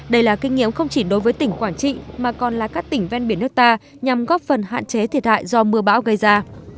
đây là kinh nghiệm không chỉ đối với tỉnh quảng trị mà còn là các tỉnh ven biển nước ta nhằm góp phần hạn chế thiệt hại do mưa bão gây ra